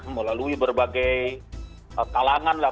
melalui berbagai kalangan lah